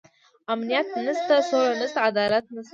امنيت نشته، سوله نشته، عدالت نشته.